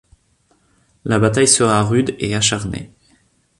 La bataille sera rude et acharnée...